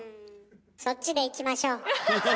そっちでいきましょう。